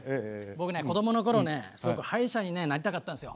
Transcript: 僕ね子供の頃ねすごく歯医者になりたかったんですよ。